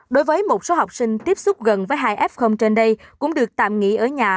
đối với một số học sinh tiếp xúc gần với hai f trên đây cũng được tạm nghỉ ở nhà